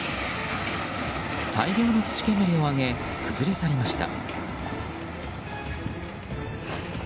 大量の土煙を上げ崩れ去りました。